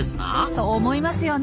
そう思いますよね。